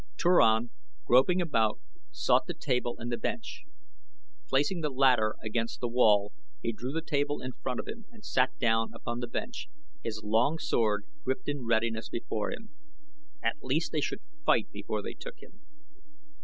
Turan, groping about, sought the table and the bench. Placing the latter against the wall he drew the table in front of him and sat down upon the bench, his long sword gripped in readiness before him. At least they should fight before they took him.